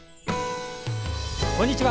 こんにちは。